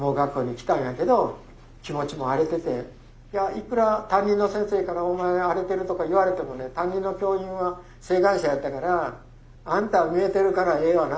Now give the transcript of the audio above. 「いくら担任の先生からお前荒れてるとか言われてもね担任の教員は晴眼者やったから『あんたは見えてるからええわな。